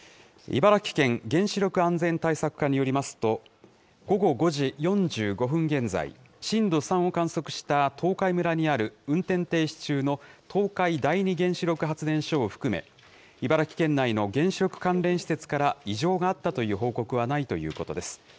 茨城県原子力安全対策課によりますと、午後５時４５分現在、震度３を観測した東海村にある、運転停止中の東海第二原子力発電所を含め、茨城県内の原子力関連施設から異常があったという報告はないということです。